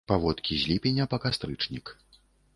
Паводкі з ліпеня па кастрычнік.